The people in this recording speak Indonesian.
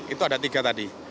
itu ada tiga tadi